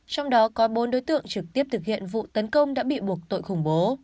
trong đó có bốn đối tượng trực tiếp thực hiện vụ tấn công đã bị buộc tội khủng bố